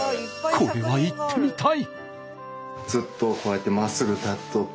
これは行ってみたい！